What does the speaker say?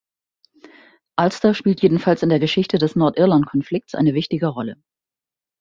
Ulster spielt jedenfalls in der Geschichte des Nordirlandkonflikts eine wichtige Rolle.